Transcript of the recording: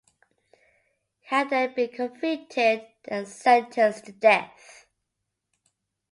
He had then been convicted and sentenced to death.